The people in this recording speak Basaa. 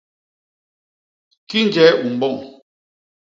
Kinjee u mboñ.